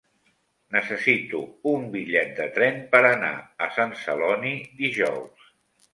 Necessito un bitllet de tren per anar a Sant Celoni dijous.